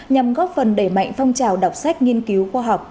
nhằm góp phần đẩy mạnh phong trào đọc sách nghiên cứu khoa học